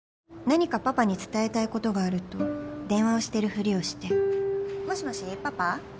何かパパに伝えたいことがあると電話をしてるふりをしてもしもしパパ？